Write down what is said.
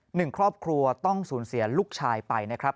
หนึ่งครอบครัวต้องสูญเสียลูกชายไปนะครับ